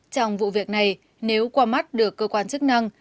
trong vụ việc này nếu qua mắt được cơ quan chức năng